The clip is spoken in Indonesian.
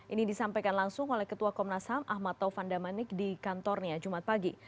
ini disampaikan langsung oleh ketua komnas ham ahmad taufan damanik di kantornya jumat pagi